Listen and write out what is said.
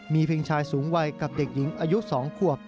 มีเพียงชายสูงวัยกับเด็กหญิงอายุ๒ขวบ